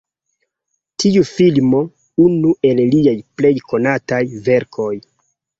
Tiu filmo unu el liaj plej konataj verkoj.